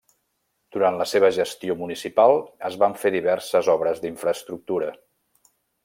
Durant la seva gestió municipal es van fer diverses obres d'infraestructura.